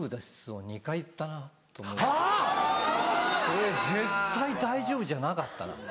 これ絶対大丈夫じゃなかったな。